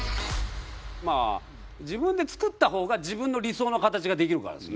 まあ自分で作った方が自分の理想の形ができるからですよねだから。